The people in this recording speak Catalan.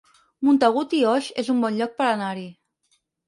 Montagut i Oix es un bon lloc per anar-hi